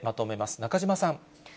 中島さん。